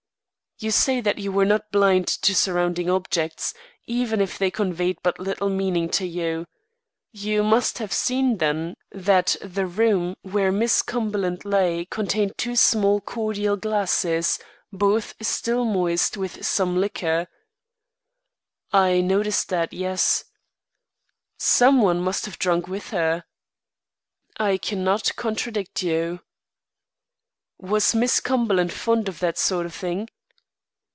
"You say that you were not blind to surrounding objects, even if they conveyed but little meaning to you. You must have seen, then, that the room where Miss Cumberland lay contained two small cordial glasses, both still moist with some liqueur." "I noticed that, yes." "Some one must have drunk with her?" "I cannot contradict you." "Was Miss Cumberland fond of that sort of thing?"